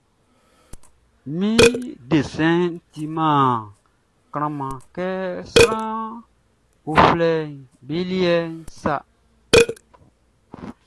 Mi desɛnʼn timan klanman kɛ sran uflɛʼm be liɛʼn sa.